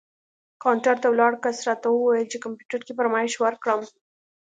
کاونټر ته ولاړ کس راته وویل چې کمپیوټر کې فرمایش ورکړم.